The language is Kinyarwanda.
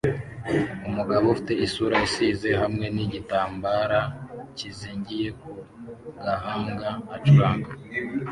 Umugabo ufite isura isize irangi hamwe nigitambara kizingiye ku gahanga acuranga